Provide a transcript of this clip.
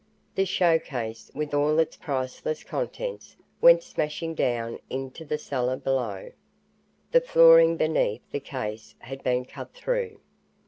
The show case, with all its priceless contents, went smashing down into the cellar below. The flooring beneath the case had been cut through!